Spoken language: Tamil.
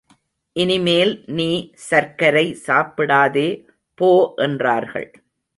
இனிமேல் நீ சர்க்கரை சாப்பிடாதே போ என்றார்கள்.